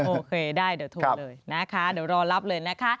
โอเคได้เดี๋ยวโทรเลยนะคะเดี๋ยวรอรับเลยนะคะ